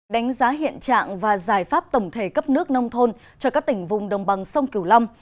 đánh giá hiện trạng và giải pháp tổng thể cấp nước nông thôn cho các tỉnh vùng đồng bằng sông kiều lâm